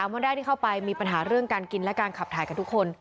วันแรกที่เข้าไปมีปัญหาเรื่องการกินและการขับถ่ายกับทุกคน